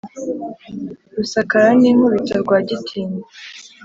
Rusakara ninkubito Rwa gitinywa